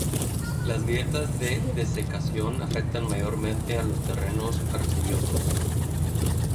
Las grietas de desecación afectan mayormente a los terrenos arcillosos.